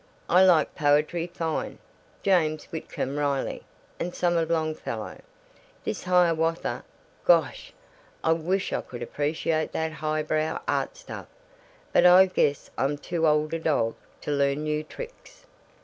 I like poetry fine James Whitcomb Riley and some of Longfellow this 'Hiawatha.' Gosh, I wish I could appreciate that highbrow art stuff. But I guess I'm too old a dog to learn new tricks."